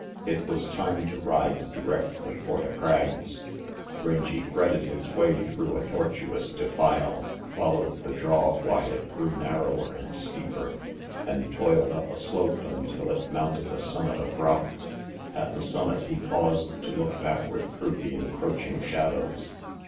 It was time to ride directly for the Crags. Rangy threaded his way through a tortuous defile, followed the draw while it grew narrower and steeper, and toiled up a slope until it mounted a summit of rock. At the summit, he paused to look backward through the encroaching shadows.